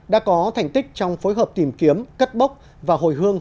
đã có thành tích trong phối hợp tìm kiếm cất bốc và hồi hương